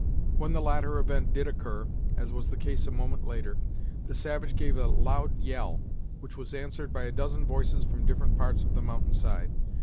When the latter event did occur, as was the case a moment later, the savage gave a loud yell, which was answered by a dozen voices from different parts of the mountainside.